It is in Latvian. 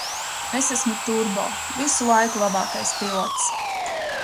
Es esmu Turbo, visu laiku labākais pilots!